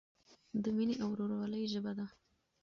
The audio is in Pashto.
د مینې او ورورولۍ ژبه ده.